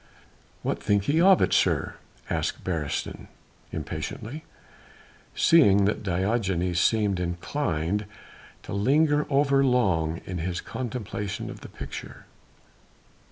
"What think you of it, sir?" asked Beresteyn impatiently, seeing that Diogenes seemed inclined to linger over long in his contemplation of the picture.